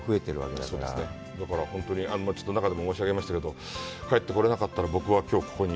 だから、本当にちょっと中でも申し上げましたけど、帰ってこれなかったら、僕はきょうここに。